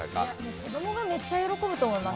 子供がめっちゃ喜ぶと思います。